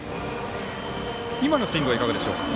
今のスイングはいかがでしょうか。